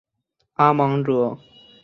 阿芒格。